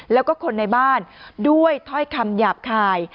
แล้วก็คนในบ้านด้วยถ้อยคำหยาบคาย